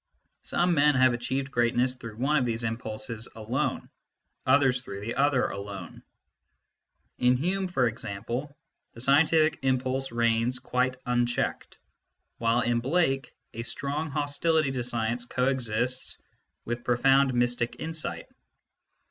Some men have achieved greatness through one of these impulses alone, others through the other alone : in Hume, for example, the scientific impulse reigns quite unchecked, while in Blake a strong hostility to science co exists with profound mystic insight.